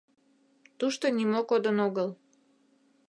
Тушто нимо кодын огыл.